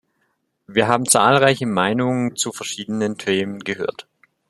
Wir haben zahlreiche Meinungen zu verschiedenen Themen gehört.